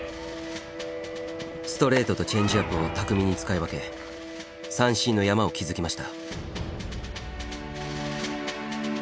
ストレートとチェンジアップを巧みに使い分け三振の山を築きました。